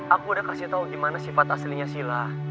aku udah kasih tau gimana sifat aslinya sila